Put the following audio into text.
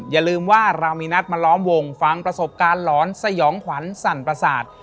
อย่าลืมว่าเรามีนัดมาล้อมวงฟังประสบการณ์หลอนสยองขวัญสั่นประสาท